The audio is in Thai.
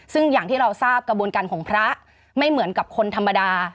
ซึ่งอย่างที่เราทราบกระบวนการของพระไม่เหมือนกับคนธรรมดา